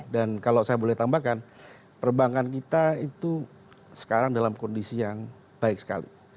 dan kalau saya boleh tambahkan perbankan kita itu sekarang dalam kondisi yang baik sekali